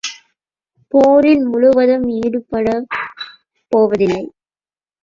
போரில் முழுவதும் ஈடுபடப் போவதில்லை.